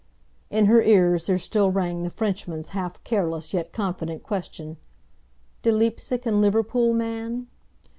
In her ears there still rang the Frenchman's half careless yet confident question, "De Leipsic and Liverpool man?"